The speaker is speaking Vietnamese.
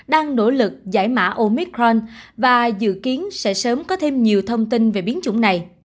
đang nỗ lực giải mã omic ron và dự kiến sẽ sớm có thêm nhiều thông tin về biến chủng này